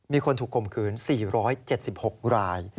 มีคนถูกข่มขืน๔๗๖ราย